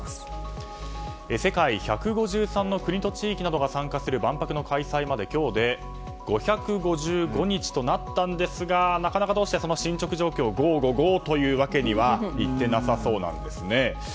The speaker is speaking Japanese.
世界１５３の国と地域などが参加する万博の開催まで今日で５５５日となったんですがなかなか、進捗状況ゴーゴゴーというわけには行ってなさそうなんですね。